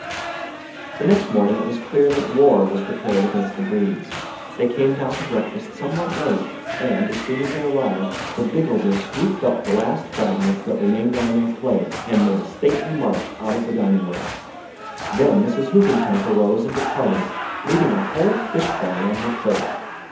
The next morning, it was clear that war was declared against the Bredes. They came down to breakfast somewhat late, and, as soon as they arrived, the Biggleses swooped up the last fragments that remained on their plates, and made a stately march out of the dining room, Then Miss Hoogencamp arose and departed, leaving a whole fish ball on her plate.